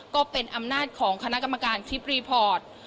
ก็เป็นอำนาจของคณะกรรมการคลิปรีพอร์ต